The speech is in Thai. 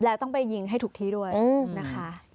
แล้วต้องไปยิงให้ถูกที่ด้วยนะคะ